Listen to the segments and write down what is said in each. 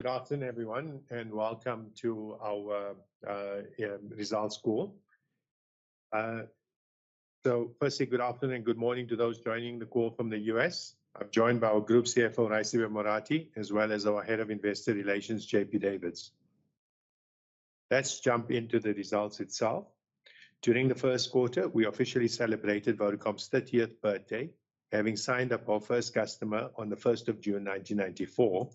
Good afternoon, everyone, and welcome to our results call. So firstly, good afternoon, good morning to those joining the call from the U.S.. I'm joined by our Group CFO, Raisibe Morathi, as well as our Head of Investor Relations, JP Davids. Let's jump into the results itself. During the first quarter, we officially celebrated Vodacom's thirtieth birthday, having signed up our first customer on the 1st of June, 1994,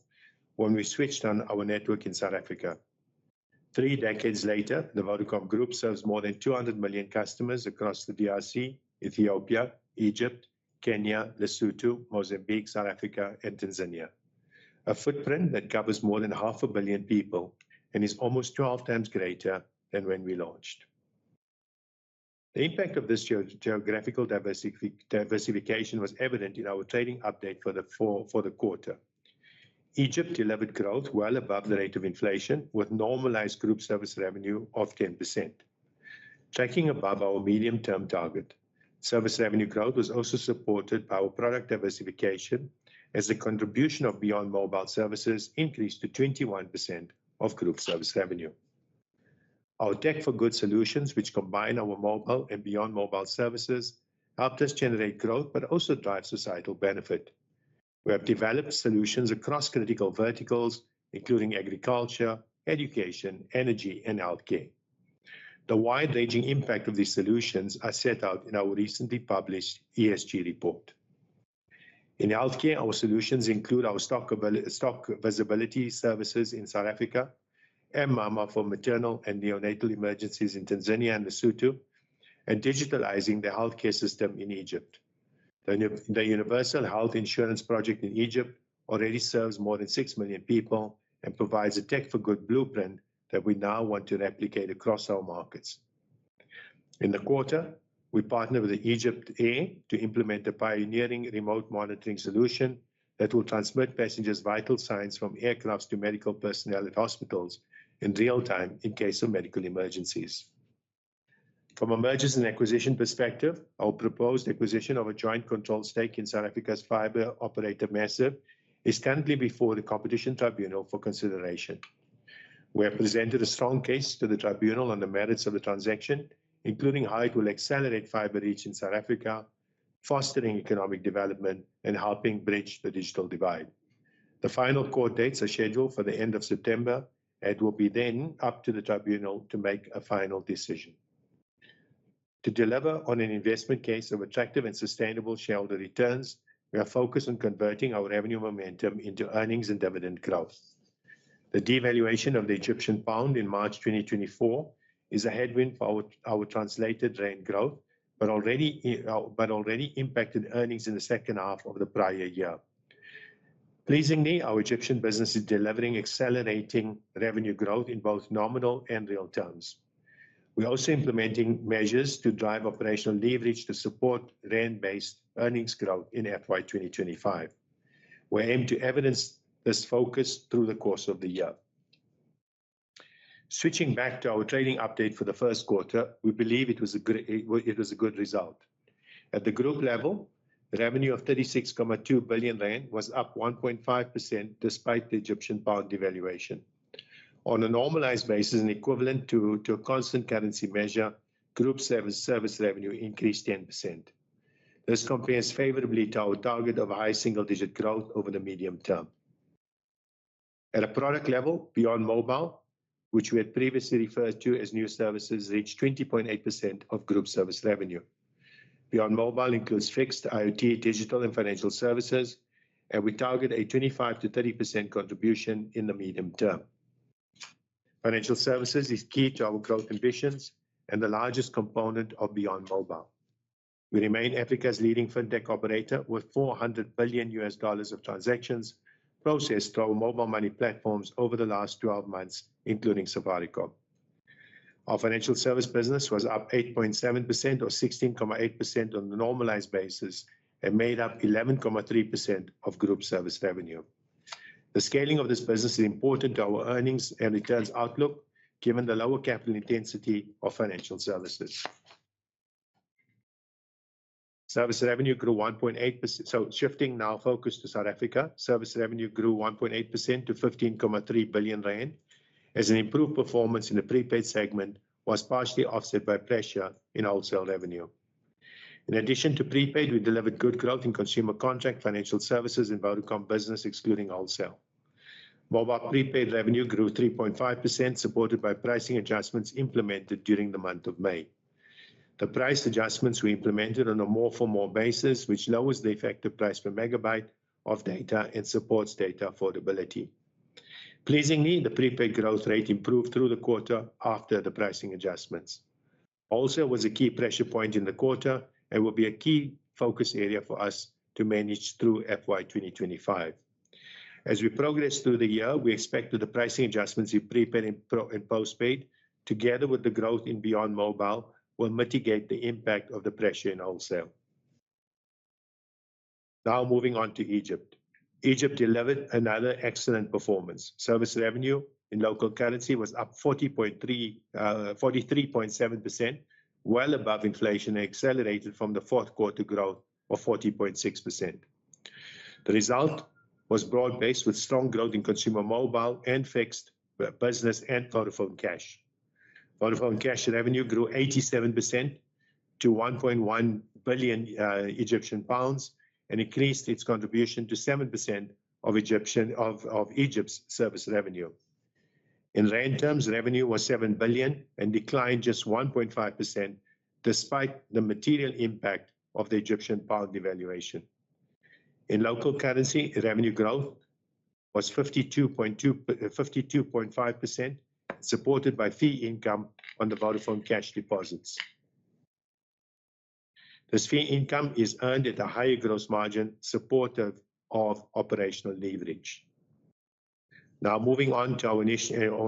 when we switched on our network in South Africa. Three decades later, the Vodacom Group serves more than 200 million customers across the DRC, Ethiopia, Egypt, Kenya, Lesotho, Mozambique, South Africa and Tanzania. A footprint that covers more than half a billion people and is almost 12 times greater than when we launched. The impact of this geographical diversification was evident in our trading update for the quarter. Egypt delivered growth well above the rate of inflation, with normalized group service revenue of 10%. Checking above our medium-term target, service revenue growth was also supported by our product diversification, as the contribution of Beyond Mobile services increased to 21% of group service revenue. Our Tech for Good solutions, which combine our mobile and Beyond Mobile services, helped us generate growth but also drive societal benefit. We have developed solutions across critical verticals, including agriculture, education, energy, and healthcare. The wide-ranging impact of these solutions are set out in our recently published ESG report. In healthcare, our solutions include our stock visibility services in South Africa, mMama for maternal and neonatal emergencies in Tanzania and Lesotho, and digitalising the healthcare system in Egypt. The uni... The Universal Health Insurance Project in Egypt already serves more than 6 million people and provides a Tech for Good blueprint that we now want to replicate across our markets. In the quarter, we partnered with EgyptAir to implement a pioneering remote monitoring solution that will transmit passengers' vital signs from aircraft to medical personnel at hospitals in real time in case of medical emergencies. From a mergers and acquisitions perspective, our proposed acquisition of a jointly controlled stake in South Africa's fiber operator, MAZIV, is currently before the Competition Tribunal for consideration. We have presented a strong case to the tribunal on the merits of the transaction, including how it will accelerate fiber reach in South Africa, fostering economic development and helping bridge the digital divide. The final court dates are scheduled for the end of September, and it will be then up to the tribunal to make a final decision. To deliver on an investment case of attractive and sustainable shareholder returns, we are focused on converting our revenue momentum into earnings and dividend growth. The devaluation of the Egyptian pound in March 2024 is a headwind for our translated rand growth, but already impacted earnings in the second half of the prior year. Pleasingly, our Egyptian business is delivering accelerating revenue growth in both nominal and real terms. We're also implementing measures to drive operational leverage to support rand-based earnings growth in FY 2025. We aim to evidence this focus through the course of the year. Switching back to our trading update for the first quarter, we believe it was a good result. At the group level, revenue of 36.2 billion rand was up 1.5%, despite the Egyptian pound devaluation. On a normalized basis and equivalent to a constant currency measure, group service revenue increased 10%. This compares favorably to our target of high single-digit growth over the medium term. At a product level, Beyond Mobile, which we had previously referred to as new services, reached 20.8% of group service revenue. Beyond Mobile includes fixed, IoT, digital, and financial services, and we target a 25%-30% contribution in the medium term. Financial services is key to our growth ambitions and the largest component of Beyond Mobile. We remain Africa's leading fintech operator, with $400 billion of transactions processed through our mobile money platforms over the last 12 months, including Safaricom. Our financial services business was up 8.7% or 16.8% on a normalized basis and made up 11.3% of group service revenue. The scaling of this business is important to our earnings and returns outlook, given the lower capital intensity of financial services. Service revenue grew 1.8%... So shifting now focus to South Africa, service revenue grew 1.8% to 15.3 billion rand, as an improved performance in the prepaid segment was partially offset by pressure in wholesale revenue. In addition to prepaid, we delivered good growth in consumer contract, financial services, and Vodacom Business, excluding wholesale. Mobile prepaid revenue grew 3.5%, supported by pricing adjustments implemented during the month of May. The price adjustments we implemented on a More for More basis, which lowers the effective price per megabyte of data and supports data affordability. Pleasingly, the prepaid growth rate improved through the quarter after the pricing adjustments. Also, was a key pressure point in the quarter and will be a key focus area for us to manage through FY 2025. As we progress through the year, we expect that the pricing adjustments in prepaid and pro- and postpaid, together with the growth in Beyond Mobile, will mitigate the impact of the pressure in wholesale. Now, moving on to Egypt. Egypt delivered another excellent performance. Service revenue in local currency was up 43.7%, well above inflation, and accelerated from the fourth quarter growth of 40.6%. The result was broad-based, with strong growth in consumer mobile and fixed, business and Vodafone Cash. Vodafone Cash revenue grew 87% to 1.1 billion Egyptian pounds, and increased its contribution to 7% of Egypt's service revenue. In rand terms, revenue was 7 billion and declined just 1.5%, despite the material impact of the Egyptian pound devaluation. In local currency, revenue growth was 52.5%, supported by fee income on the Vodafone Cash deposits. This fee income is earned at a higher gross margin, supportive of operational leverage. Now, moving on to our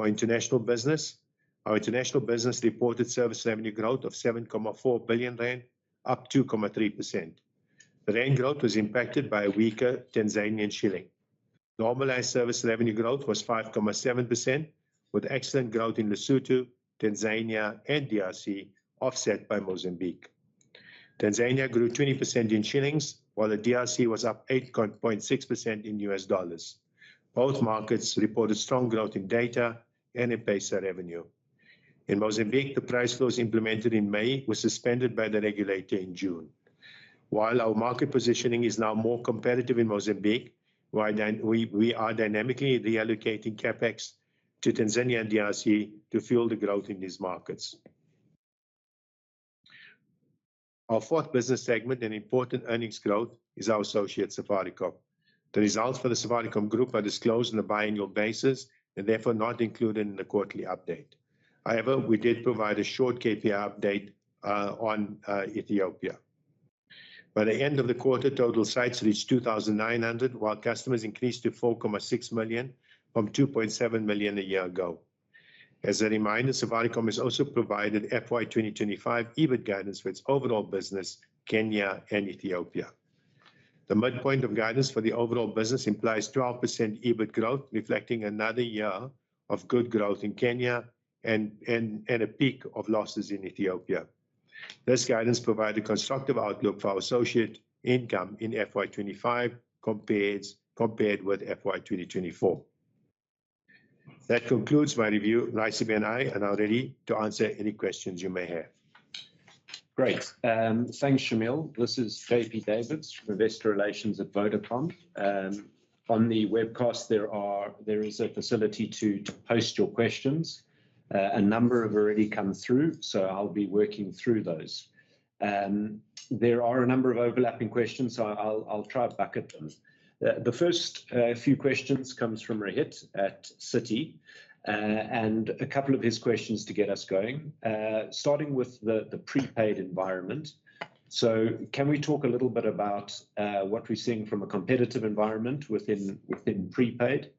international business. Our international business reported service revenue growth of 7.4 billion rand, up 2.3%. The rand growth was impacted by a weaker Tanzanian shilling. Normalized service revenue growth was 5.7%, with excellent growth in Lesotho, Tanzania, and DRC, offset by Mozambique. Tanzania grew 20% in shillings, while the DRC was up 8.6% in US dollars. Both markets reported strong growth in data and in M-Pesa revenue. In Mozambique, the price floors implemented in May were suspended by the regulator in June. While our market positioning is now more competitive in Mozambique, we are dynamically reallocating CapEx to Tanzania and DRC to fuel the growth in these markets. Our fourth business segment, and important earnings growth, is our associate Safaricom. The results for the Safaricom group are disclosed on a biannual basis and therefore not included in the quarterly update. However, we did provide a short KPI update on Ethiopia. By the end of the quarter, total sites reached 2,900, while customers increased to 4.6 million, from 2.7 million a year ago. As a reminder, Safaricom has also provided FY 2025 EBIT guidance for its overall business: Kenya and Ethiopia. The midpoint of guidance for the overall business implies 12% EBIT growth, reflecting another year of good growth in Kenya and a peak of losses in Ethiopia. This guidance provide a constructive outlook for our associate income in FY 2025, compared with FY 2024. That concludes my review. Raisibe and I are now ready to answer any questions you may have. Great. Thanks, Shameel. This is JP Davids from Investor Relations at Vodacom. On the webcast, there is a facility to post your questions. A number have already come through, so I'll be working through those. There are a number of overlapping questions, so I'll try to bucket them. The first few questions comes from Rohit at Citi. And a couple of his questions to get us going. Starting with the prepaid environment. So can we talk a little bit about what we're seeing from a competitive environment within prepaid?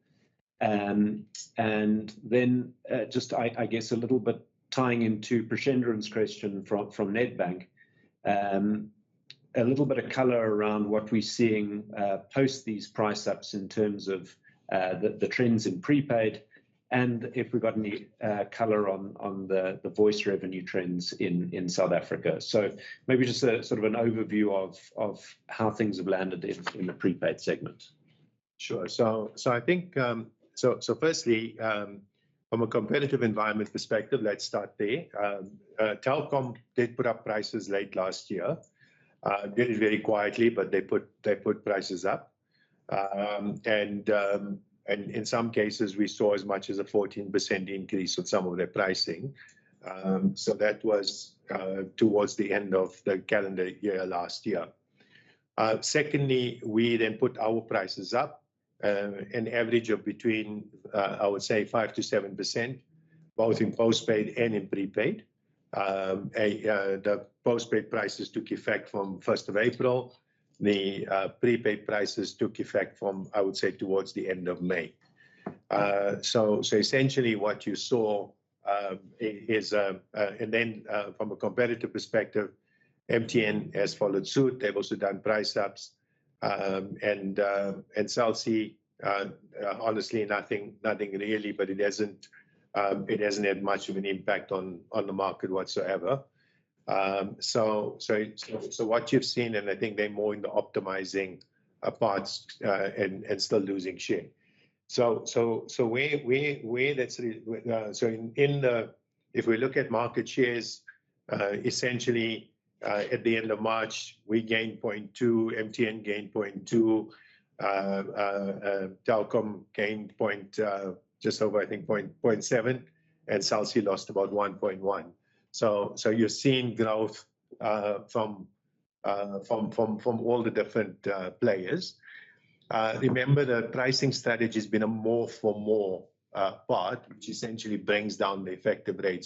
And then, just a little bit tying into Preshendran's question from Nedbank, a little bit of color around what we're seeing post these price ups in terms of the trends in prepaid, and if we've got any color on the voice revenue trends in South Africa. So maybe just a sort of an overview of how things have landed in the prepaid segment. Sure. So, firstly, from a competitive environment perspective, let's start there. Telkom did put up prices late last year, very, very quietly, but they put, they put prices up. And, and in some cases, we saw as much as a 14% increase on some of their pricing. So that was, towards the end of the calendar year last year. Secondly, we then put our prices up, an average of between, I would say 5%-7%, both in postpaid and in prepaid. The postpaid prices took effect from first of April. The prepaid prices took effect from, I would say, towards the end of May. So, so essentially what you saw, is... And then, from a competitive perspective, MTN has followed suit. They've also done price ups. Cell C, honestly, nothing really, but it hasn't had much of an impact on the market whatsoever. So what you've seen, and I think they're more into optimizing parts and still losing share. So where that's so in the if we look at market shares, essentially, at the end of March, we gained 0.2, MTN gained 0.2, Telkom gained just over, I think, 0.7, and Cell C lost about 1.1. So you're seeing growth from all the different players. Remember, the pricing strategy has been a More for More part, which essentially brings down the effective rate.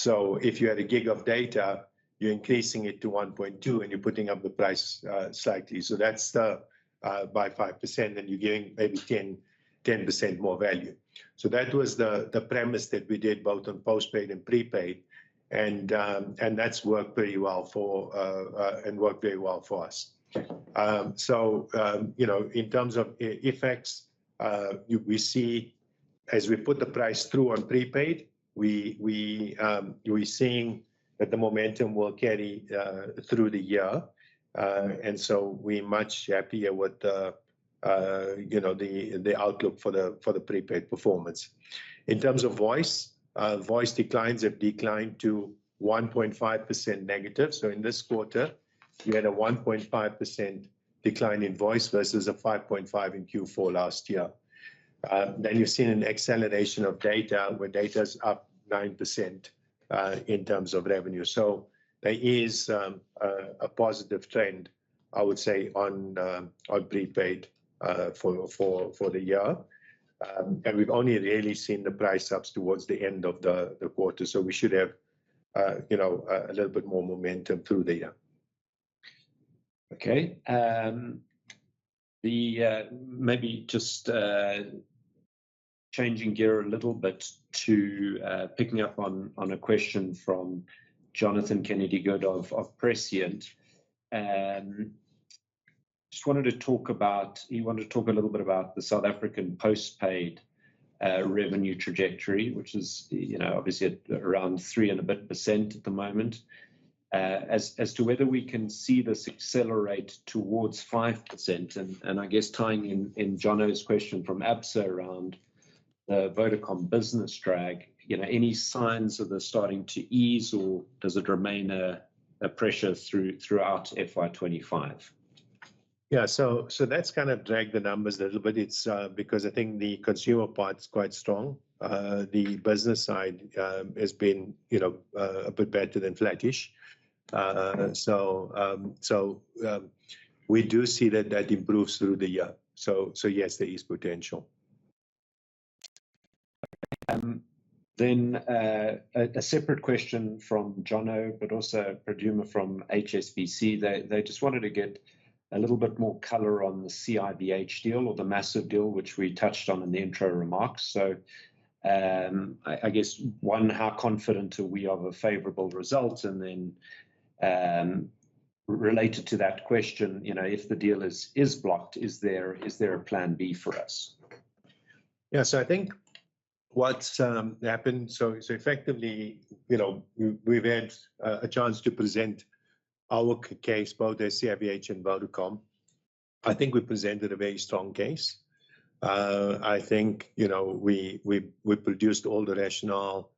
So, if you had a gig of data, you're increasing it to 1.2, and you're putting up the price slightly. So that's the by 5%, and you're giving maybe 10% more value. So that was the premise that we did both on postpaid and prepaid, and that's worked pretty well for us and worked very well for us. So, you know, in terms of effects, as we put the price through on prepaid, we're seeing that the momentum will carry through the year. And so we're much happier with the, you know, the outlook for the prepaid performance. In terms of voice, voice declines have declined to -1.5%. So in this quarter, we had a 1.5% decline in voice versus a 5.5% in Q4 last year. Then you're seeing an acceleration of data, where data's up 9%, in terms of revenue. So there is a positive trend, I would say, on prepaid, for the year. And we've only really seen the price ups towards the end of the quarter, so we should have, you know, a little bit more momentum through the year. Okay. Maybe just changing gear a little bit to picking up on a question from Jonathan Kennedy-Good of Prescient. Just wanted to talk about- he wanted to talk a little bit about the South African postpaid revenue trajectory, which is, you know, obviously at around 3 and a bit % at the moment. As to whether we can see this accelerate towards 5%. And I guess tying in Jono's question from Absa around Vodacom business drag, you know, any signs of this starting to ease, or does it remain a pressure throughout FY25? Yeah, so that's kind of dragged the numbers a little bit. It's because I think the consumer part's quite strong. The business side has been, you know, a bit better than flattish. So, we do see that that improves through the year. So, yes, there is potential. Then, a separate question from Jono, but also Madhura from HSBC. They just wanted to get a little bit more color on the CIVH deal or the MAZIV deal, which we touched on in the intro remarks. So, I guess, one, how confident are we of a favorable result? And then, related to that question, you know, if the deal is blocked, is there a plan B for us? Yeah, so I think what's happened. So effectively, you know, we've had a chance to present our case, both as CIVH and Vodacom. I think we presented a very strong case. I think, you know, we produced all the rationale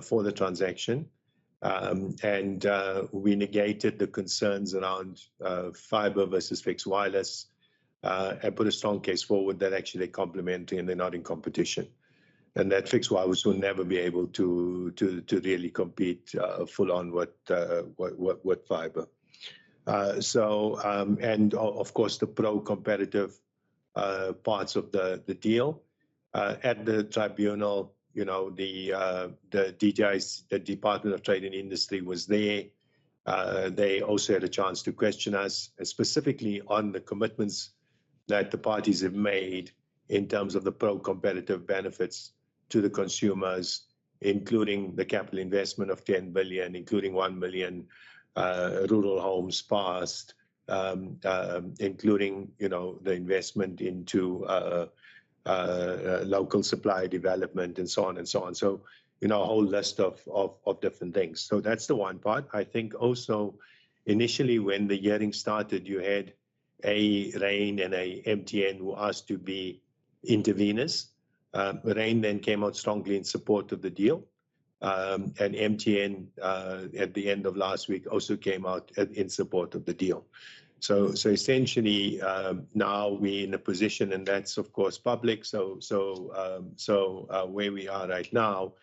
for the transaction. And we negated the concerns around fiber versus fixed wireless, and put a strong case forward that actually they complement and they're not in competition, and that fixed wireless will never be able to really compete full on with fiber. So, of course, the pro-competitive parts of the deal at the tribunal, you know, the DTI, the Department of Trade and Industry, was there. They also had a chance to question us, specifically on the commitments that the parties have made in terms of the pro-competitive benefits to the consumers, including the capital investment of 10 billion, including 1 million rural homes passed, including, you know, the investment into local supply development, and so on and so on. So, you know, a whole list of different things. So that's the one part. I think also, initially when the hearing started, you had a Rain and a MTN who asked to be interveners. Rain then came out strongly in support of the deal. And MTN, at the end of last week, also came out in support of the deal. So essentially, now we're in a position, and that's, of course, public. Where we are right now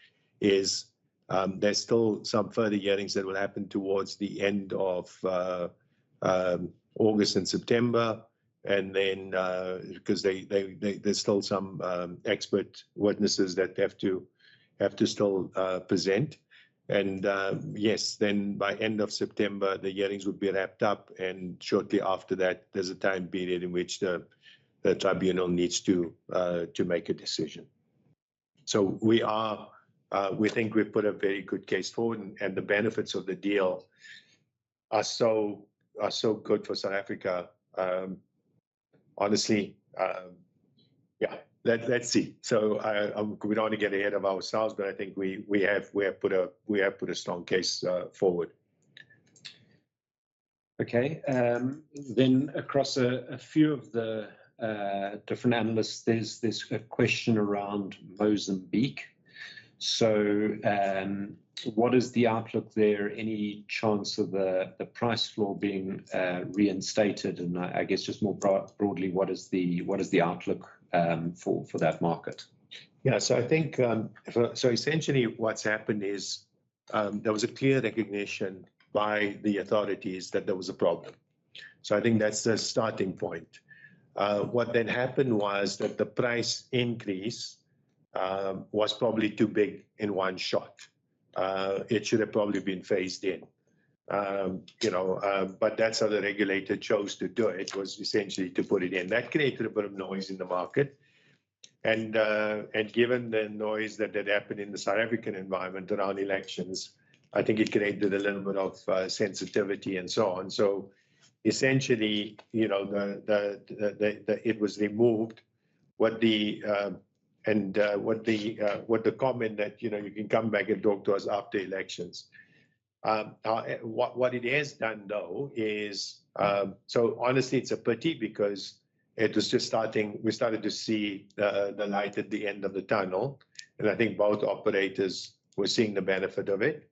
is, there's still some further hearings that will happen towards the end of August and September, and then... 'Cause they... There's still some expert witnesses that have to still present. And yes, then by end of September, the hearings will be wrapped up, and shortly after that, there's a time period in which the tribunal needs to make a decision. So we are... We think we've put a very good case forward, and the benefits of the deal are so good for South Africa. Honestly, yeah, let's see. So we don't want to get ahead of ourselves, but I think we have put a strong case forward. Okay, then across a few of the different analysts, there's this question around Mozambique. So, what is the outlook there? Any chance of the price floor being reinstated? And I guess just more broadly, what is the outlook for that market? Yeah. So I think, so essentially what's happened is, there was a clear recognition by the authorities that there was a problem. So I think that's the starting point. What then happened was that the price increase was probably too big in one shot. It should have probably been phased in. You know, but that's how the regulator chose to do it, was essentially to put it in. That created a bit of noise in the market, and, and given the noise that had happened in the South African environment around elections, I think it created a little bit of, sensitivity and so on. So essentially, you know, it was removed. And what the comment that, you know, you can come back and talk to us after elections. What it has done though is, so honestly, it's a pity because it was just starting—we started to see the light at the end of the tunnel, and I think both operators were seeing the benefit of it.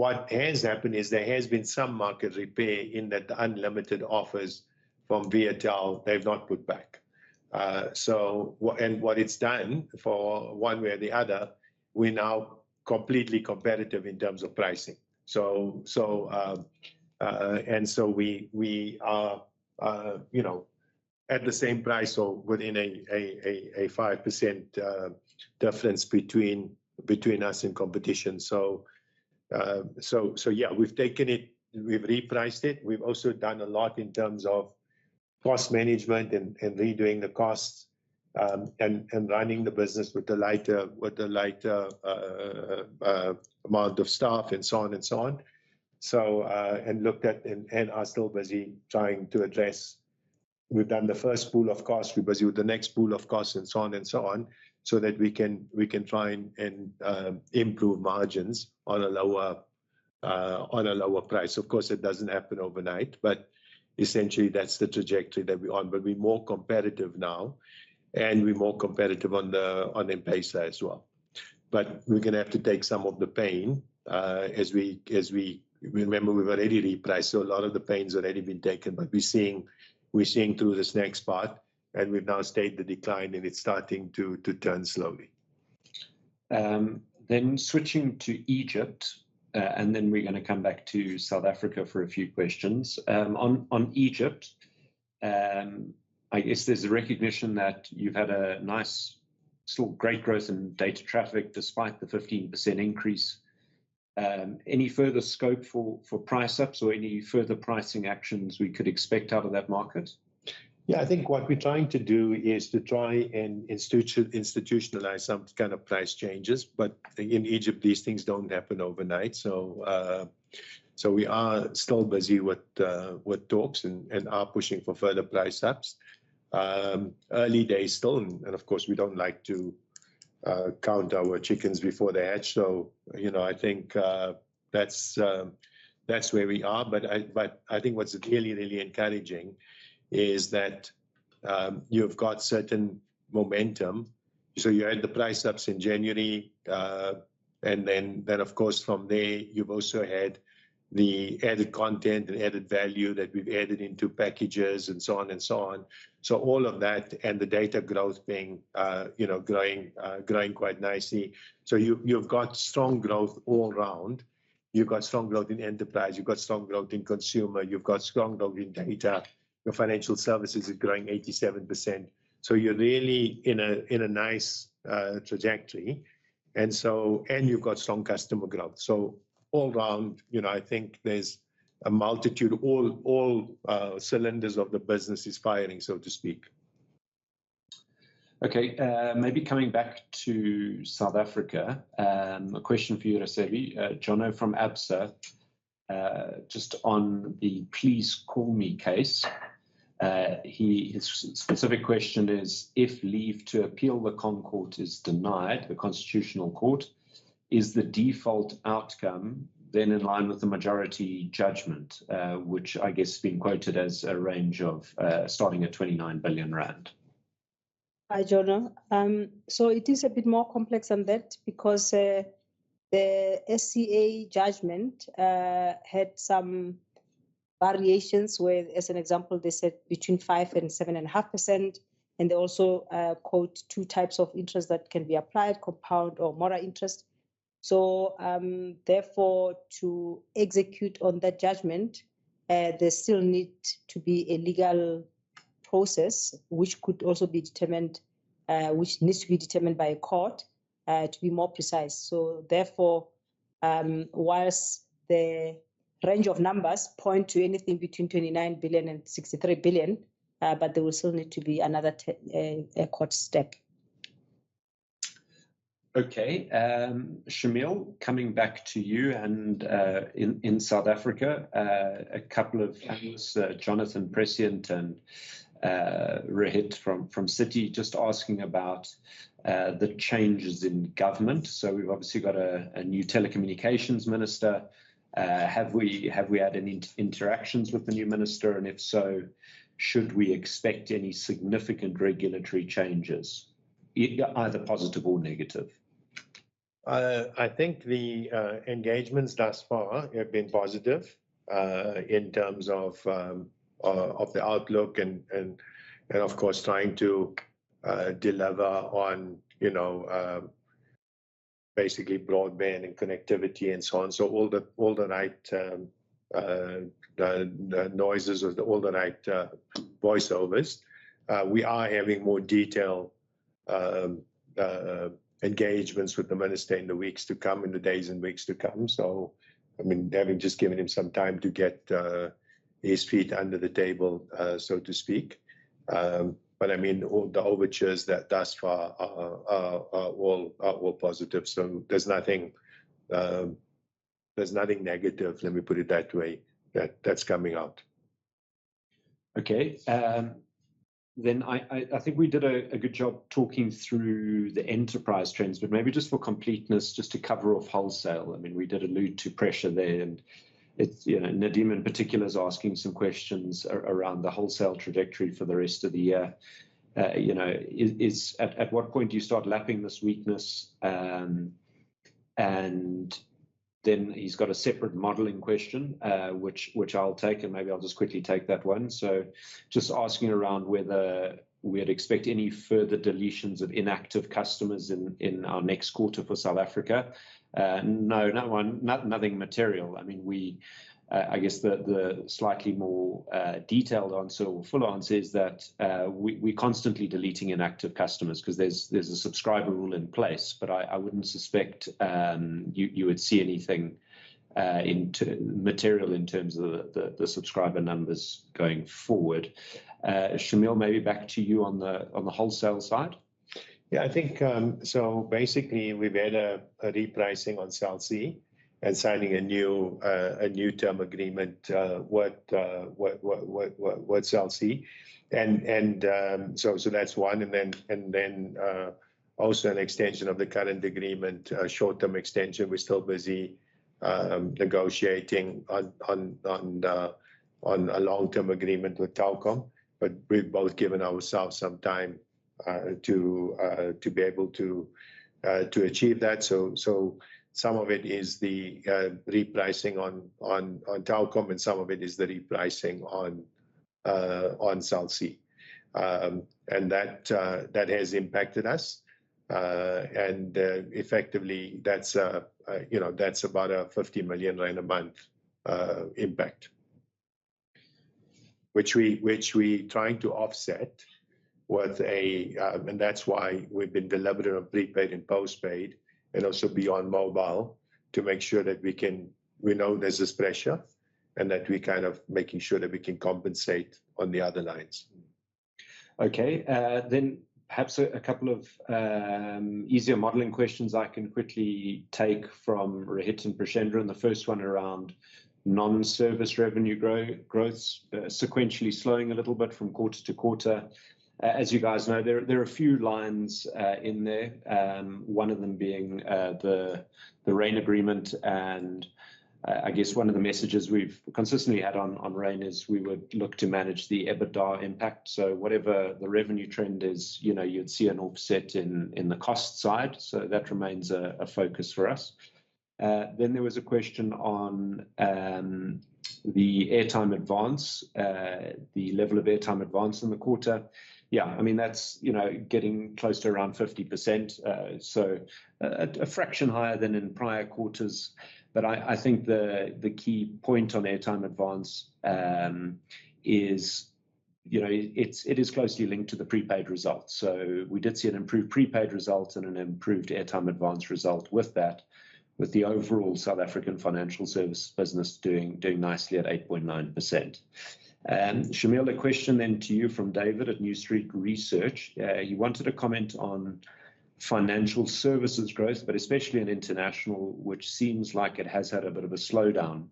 What has happened is there has been some market repair in that the unlimited offers from Viettel, they've not put back. And what it's done one way or the other, we're now completely competitive in terms of pricing. So we are, you know, at the same price or within a 5% difference between us and competition. So yeah, we've taken it, we've repriced it. We've also done a lot in terms of cost management and redoing the costs, and running the business with a lighter amount of staff, and so on and so on. So looked at and are still busy trying to address. We've done the first pool of costs. We're busy with the next pool of costs, and so on and so on, so that we can try and improve margins on a lower price. Of course, it doesn't happen overnight, but essentially that's the trajectory that we're on. But we're more competitive now, and we're more competitive on the price side as well. But we're gonna have to take some of the pain, as we remember, we've already repriced, so a lot of the pain's already been taken, but we're seeing through this next part, and we've now stayed the decline, and it's starting to turn slowly. Then switching to Egypt, and then we're gonna come back to South Africa for a few questions. On Egypt, I guess there's a recognition that you've had a nice, still great growth in data traffic despite the 15% increase. Any further scope for price ups or any further pricing actions we could expect out of that market? Yeah. I think what we're trying to do is to try and institutionalize some kind of price changes, but I think in Egypt, these things don't happen overnight. So, so we are still busy with talks and are pushing for further price ups. Early days still, and of course, we don't like to count our chickens before they hatch. So, you know, I think that's where we are. But I think what's really encouraging is that you've got certain momentum. So you had the price ups in January, and then, of course, from there, you've also had the added content and added value that we've added into packages, and so on and so on. So all of that, and the data growth being, you know, growing quite nicely. So you, you've got strong growth all around. You've got strong growth in enterprise, you've got strong growth in consumer, you've got strong growth in data. Your financial services is growing 87%. So you're really in a, in a nice trajectory, and so... And you've got strong customer growth. So all round, you know, I think there's a multitude, all cylinders of the business is firing, so to speak. Okay, maybe coming back to South Africa, a question for you, Raisibe. Jono from Absa, just on the Please Call Me case, he, his specific question is, "If leave to appeal the Con Court is denied, the Constitutional Court, is the default outcome then in line with the majority judgment?" which I guess been quoted as a range of, starting at 29 billion rand. Hi, Jono. So it is a bit more complex than that because, the SCA judgment, had some variations with, as an example, they said between 5% and 7.5%, and they also, quote two types of interest that can be applied, compound or mora interest. So, therefore, to execute on that judgment, there still need to be a legal process, which could also be determined, which needs to be determined by a court, to be more precise. So therefore, whilst the range of numbers point to anything between 29 billion and 63 billion, but there will still need to be another court step. Okay. Shameel, coming back to you, and in South Africa, a couple of analysts, Jonathan from Prescient and Rohit from Citi, just asking about the changes in government. So we've obviously got a new telecommunications minister. Have we had any interactions with the new minister? And if so, should we expect any significant regulatory changes, either positive or negative? I think the engagements thus far have been positive in terms of of the outlook and of course trying to deliver on, you know, basically broadband and connectivity, and so on. So all the noise, the noises or all the noise overtures. We are having more detailed engagements with the minister in the weeks to come, in the days and weeks to come, so I mean, having just given him some time to get his feet under the table, so to speak. But I mean, all the overtures thus far are all positive, so there's nothing negative, let me put it that way, that's coming out.... Okay, then I think we did a good job talking through the enterprise trends, but maybe just for completeness, just to cover off wholesale. I mean, we did allude to pressure there, and it's you know, Nadim in particular is asking some questions around the wholesale trajectory for the rest of the year. You know, at what point do you start lapping this weakness? And then he's got a separate modeling question, which I'll take, and maybe I'll just quickly take that one. Just asking around whether we'd expect any further deletions of inactive customers in our next quarter for South Africa. No, not one. Nothing material. I mean, we, I guess the slightly more detailed answer or full answer is that we, we're constantly deleting inactive customers, 'cause there's a subscriber rule in place. But I wouldn't suspect you would see anything in terms, material in terms of the subscriber numbers going forward. Shameel, maybe back to you on the wholesale side? Yeah, I think, so basically we've had a repricing on Cell C, and signing a new term agreement with Cell C. So that's one. And then also an extension of the current agreement, a short-term extension. We're still busy negotiating on a long-term agreement with Telkom, but we've both given ourselves some time to be able to achieve that. So some of it is the repricing on Telkom, and some of it is the repricing on Cell C. And that has impacted us. And effectively, that's, you know, that's about a 50 million rand a month impact. Which we trying to offset with a... That's why we've been deliberate on Prepaid and Postpaid, and also Beyond Mobile, to make sure that we know there's this pressure, and that we're kind of making sure that we can compensate on the other lines. Okay. Then perhaps a couple of easier modeling questions I can quickly take from Rohit and Preshendran. And the first one around non-service revenue growth, sequentially slowing a little bit from quarter to quarter. As you guys know, there are a few lines in there, one of them being the Rain agreement. I guess one of the messages we've consistently had on Rain is we would look to manage the EBITDA impact. So whatever the revenue trend is, you know, you'd see an offset in the cost side, so that remains a focus for us. Then there was a question on the airtime advance, the level of airtime advance in the quarter. Yeah, I mean, that's, you know, getting close to around 50%. So, a fraction higher than in prior quarters, but I think the key point on airtime advance is, you know, it is closely linked to the prepaid results. So we did see an improved prepaid result and an improved airtime advance result with that, with the overall South African financial service business doing nicely at 8.9%. Shameel, a question then to you from David at New Street Research. He wanted a comment on financial services growth, but especially in international, which seems like it has had a bit of a slowdown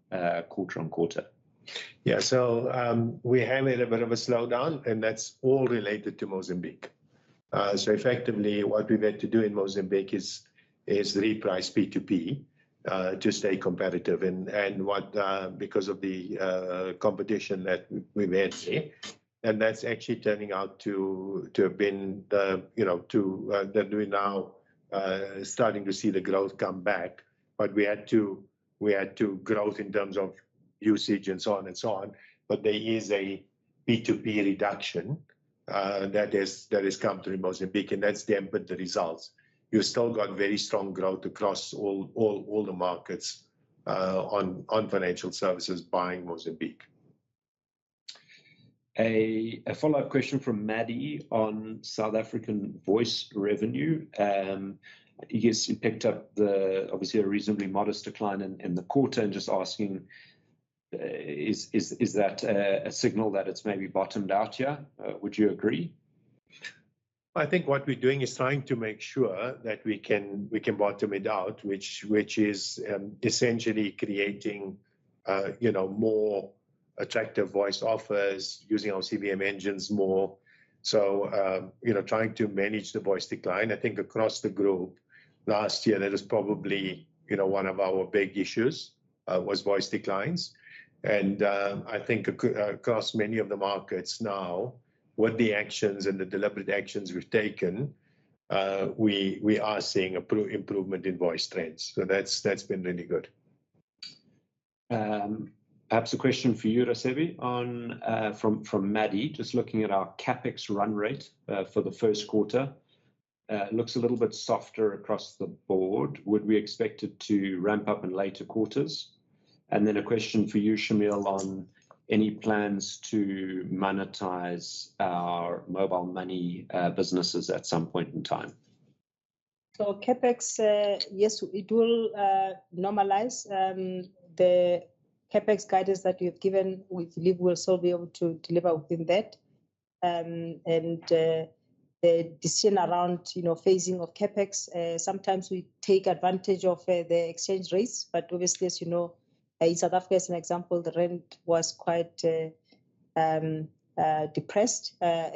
quarter-on-quarter. Yeah. So, we have had a bit of a slowdown, and that's all related to Mozambique. So effectively what we've had to do in Mozambique is reprice P2P to stay competitive, and what because of the competition that we've had there. And that's actually turning out to have been the, you know, that we're now starting to see the growth come back. But we had to grow in terms of usage and so on, and so on, but there is a P2P reduction that has come through Mozambique, and that's dampened the results. You've still got very strong growth across all the markets on financial services bar Mozambique. A follow-up question from Maddie on South African voice revenue. I guess he picked up, obviously, a reasonably modest decline in the quarter, and just asking, is that a signal that it's maybe bottomed out here? Would you agree? I think what we're doing is trying to make sure that we can bottom it out, which is essentially creating, you know, more attractive voice offers, using our CVM engines more. So, you know, trying to manage the voice decline. I think across the group last year that was probably, you know, one of our big issues, voice declines. I think across many of the markets now, with the actions and the deliberate actions we've taken, we are seeing an improvement in voice trends. So that's been really good. Perhaps a question for you, Raisibe, on from Maddie. Just looking at our CapEx run rate for the first quarter looks a little bit softer across the board. Would we expect it to ramp up in later quarters? And then a question for you, Shameel, on any plans to monetize our mobile money businesses at some point in time? So CapEx, yes, it will normalize. The CapEx guidance that we have given, we believe we'll still be able to deliver within that and the decision around, you know, phasing of CapEx, sometimes we take advantage of the exchange rates, but obviously, as you know, in South Africa, as an example, the rand was quite depressed at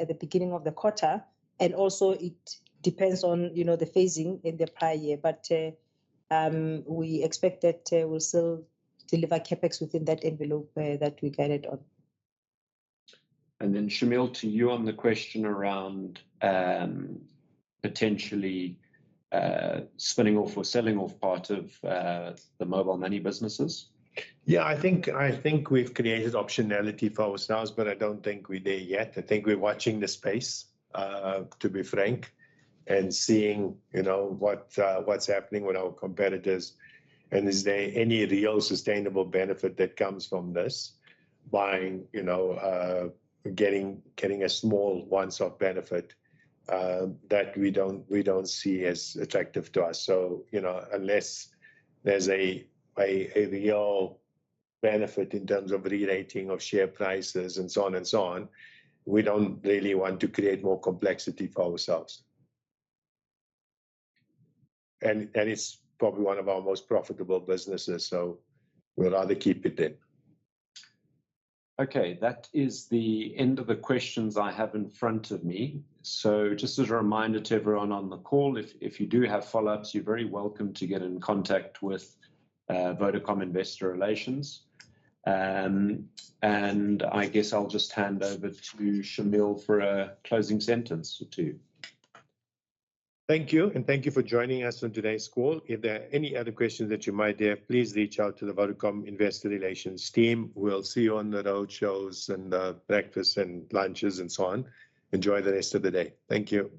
the beginning of the quarter. And also it depends on, you know, the phasing in the prior year. But we expect that we'll still deliver CapEx within that envelope that we guided on. And then Shameel, to you on the question around potentially spinning off or selling off part of the mobile money businesses. Yeah, I think, I think we've created optionality for ourselves, but I don't think we're there yet. I think we're watching the space, to be frank, and seeing, you know, what's happening with our competitors. And is there any real sustainable benefit that comes from this by, you know, getting, getting a small once-off benefit, that we don't, we don't see as attractive to us? So, you know, unless there's a real benefit in terms of relating of share prices, and so on, and so on, we don't really want to create more complexity for ourselves. And, and it's probably one of our most profitable businesses, so we'd rather keep it in. Okay, that is the end of the questions I have in front of me. So just as a reminder to everyone on the call, if you do have follow-ups, you're very welcome to get in contact with Vodacom Investor Relations. And I guess I'll just hand over to Shameel for a closing sentence or two. Thank you, and thank you for joining us on today's call. If there are any other questions that you might have, please reach out to the Vodacom Investor Relations team. We'll see you on the roadshows and, breakfasts and lunches, and so on. Enjoy the rest of the day. Thank you.